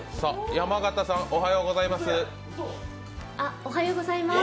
山形さん、おはようございます。